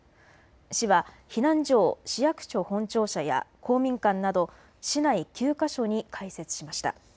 市は避難所を市役所本庁舎や公民館など市内９か所に開設しました。